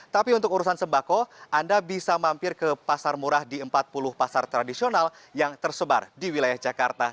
tapi untuk urusan sembako anda bisa mampir ke pasar murah di empat puluh pasar tradisional yang tersebar di wilayah jakarta